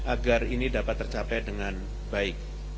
agar ini dapat tercapai dengan baik